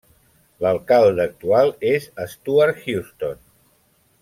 L'alcalde actual és Stuart Houston.